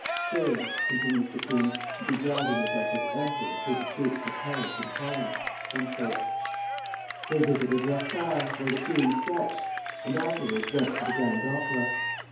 "Strange," continues the queen, "to be driving with us as emperor through the streets of Paris in triumph!" They visited Versailles (where the queen sketched), and afterwards went to the Grand Opera.